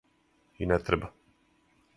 И не треба.